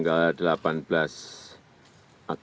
kita benar benar akan berjalan dengan baik